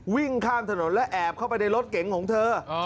วิ่งข้ามถนนและแอบเข้าไปในรถเก๋งของเธอ